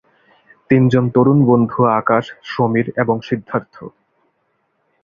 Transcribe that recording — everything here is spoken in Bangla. তিনজন তরুণ বন্ধু আকাশ, সমীর এবং সিদ্ধার্থ।